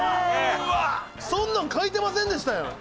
そんなん書いてませんでしたやん！